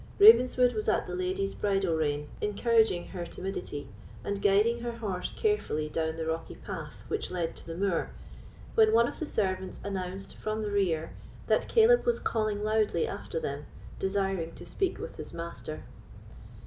Ravenswood was at the lady's bridle rein, encouraging her timidity, and guiding her horse carefully down the rocky path which led to the moor, when one of the servants announced from the rear that Caleb was calling loudly after them, desiring to speak with his master.